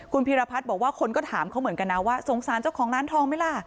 คุณพีรพัฒน์บอกว่าคนก็ถามเขาเหมือนกันนะว่าสงสารเจ้าของร้านทองไหมล่ะ